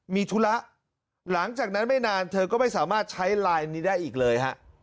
มีธุระหลังจากนั้นไม่นานเธอก็ไม่สามารถใช้ไลน์นี้ได้อีกเลยฮะ